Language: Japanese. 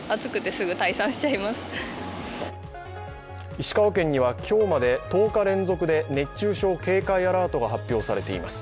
石川県には今日まで１０日連続で熱中症警戒アラートが発表されています。